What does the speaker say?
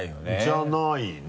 じゃないね。